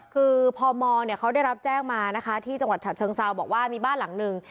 คือพมเขาได้รับแจ้งมานะคะที่จังหวัดฉะเชิงเซาบอกว่ามีบ้านหลังหนึ่ง